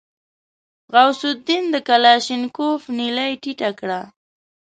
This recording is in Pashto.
غوث الدين د کلاشينکوف نلۍ ټيټه کړه.